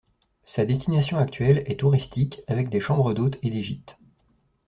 Sa destination actuelle est touristique avec des chambres d'hôte et des gîtes.